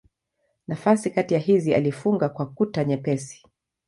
Nafasi kati ya hizi alifunga kwa kuta nyepesi.